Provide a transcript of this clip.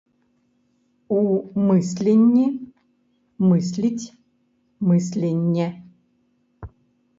У мысленні мысліць мысленне.